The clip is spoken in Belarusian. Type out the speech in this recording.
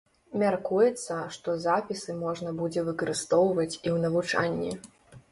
Мяркуецца, што запісы можна будзе выкарыстоўваць і ў навучанні.